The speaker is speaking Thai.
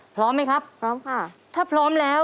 พร้อมไหมครับพร้อมค่ะถ้าพร้อมแล้ว